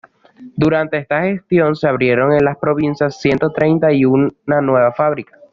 Durante esta gestión, se abrieron en la provincia ciento treinta y una nuevas fábricas.